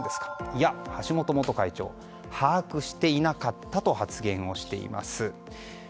いや、橋本元会長把握していなかったと発言をしています。